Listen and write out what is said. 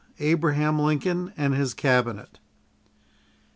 ABRAHAM LINCOLN AND HIS CABINET.